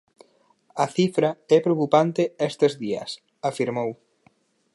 "A cifra é preocupante estes días", afirmou.